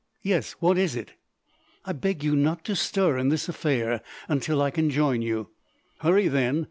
Yes, what is it?" "I beg you not to stir in this affair until I can join you——" "Hurry then.